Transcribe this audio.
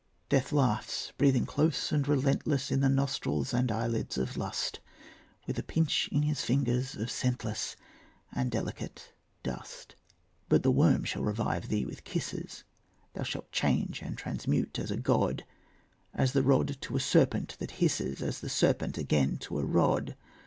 Death laughs, breathing close and relentless In the nostrils and eyelids of lust, With a pinch in his fingers of scentless And delicate dust. But the worm shall revive thee with kisses; Thou shalt change and transmute as a god, As the rod to a serpent that hisses, As the serpent again to a rod.